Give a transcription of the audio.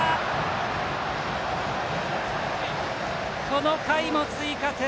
この回も追加点。